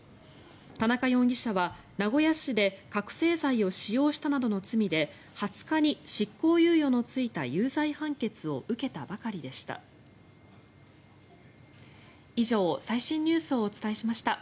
田中容疑者は名古屋市で覚醒剤を使用したなどの罪で２０日に執行猶予のついた有罪判決を受けたばかりでした。